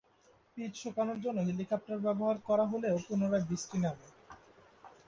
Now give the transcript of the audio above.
Pitch শুকানোর জন্য helicopter ব্যবহার করা হলেও পুনরায় বৃষ্টি নামে।